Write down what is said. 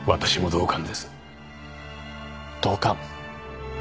同感。